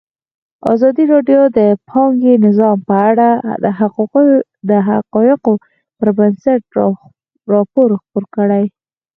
ازادي راډیو د بانکي نظام په اړه د حقایقو پر بنسټ راپور خپور کړی.